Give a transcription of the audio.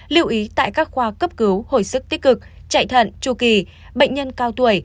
lưu ý tại các khoa cấp cứu hồi sức tích cực chạy thận tru kỳ bệnh nhân cao tuổi